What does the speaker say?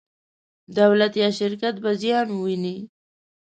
دولت یا شرکت به زیان وویني.